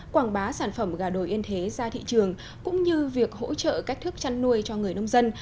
quảng bá sản phẩm gà đồi yên thế ra thị trường cũng như việc hỗ trợ cách thức chăn nuôi cho người nông dân